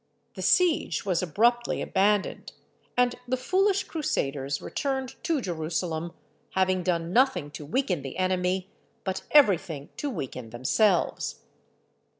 The siege was abruptly abandoned, and the foolish Crusaders returned to Jerusalem, having done nothing to weaken the enemy, but every thing to weaken themselves.